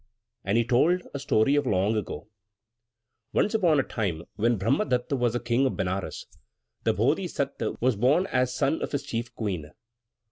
And he told a story of long ago._ Once upon a time, when Brahmadatta was King of Benares, the Bodhisatta was born as son of his chief queen.